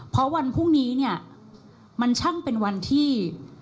เพราะวันพรุ่งนี้เนี่ยมันช่างเป็นวันที่